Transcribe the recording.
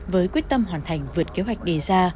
với quyết tâm hoàn thành vượt kế hoạch đề ra